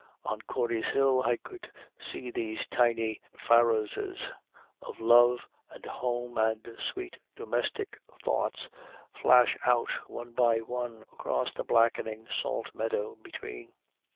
On Corey's hill I could see these tiny pharoses of love and home and sweet domestic thoughts flash out one by one across the blackening salt meadow between.